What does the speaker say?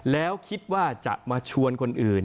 แล้วคิดว่าจะมาชวนคนอื่น